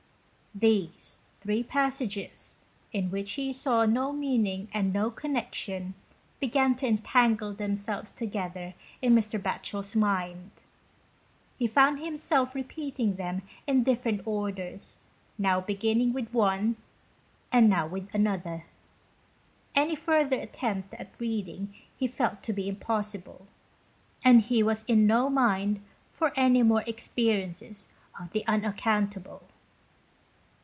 These three passages, in which he saw no mean ing and no connection, began to entangle themselves together in Mr. Batchel's mind. He found himself repeating them in different orders, now beginning with one, and now with another. Any further attempt at reading he felt to be impossible, and he was in no mind for any more experiences of the unaccountable.